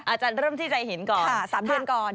อาจารย์เริ่มที่ใจหินก่อน๓เดือนก่อน